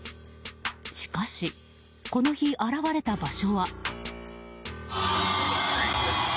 しかし、この日現れた場所は。